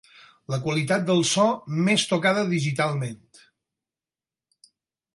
La qualitat del so més tocada digitalment.